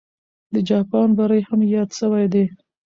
د جاپان بری هم یاد سوی دی.